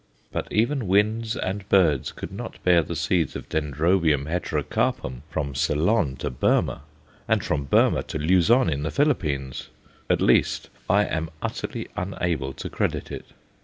But even winds and birds could not bear the seed of Dendrobium heterocarpum from Ceylon to Burmah, and from Burmah to Luzon in the Philippines; at least, I am utterly unable to credit it.